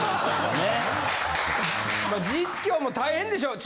実況も大変でしょう。